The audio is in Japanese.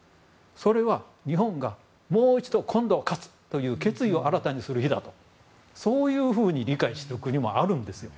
それは日本がもう一度今度は勝つという決意を新たにする日だと理解している国もあるんですよ。